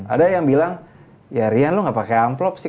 ada yang bilang ya rian lu gak pakai amplop sih